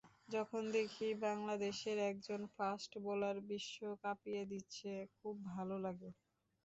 যখন দেখি, বাংলাদেশের একজন ফাস্ট বোলার বিশ্ব কাঁপিয়ে দিচ্ছে, খুব ভালো লাগে।